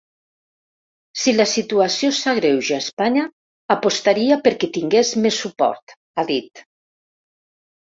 Si la situació s’agreuja a Espanya, apostaria perquè tingués més suport, ha dit.